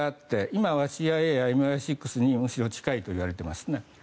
今はＣＩＡやＭＩ６にむしろ近いといわれています。